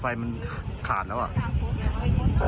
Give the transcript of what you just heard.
ไฟมันคตดด้วยหรอ